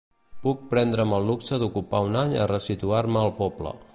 Puc prendre’m el luxe d’ocupar un any a resituar-me al poble.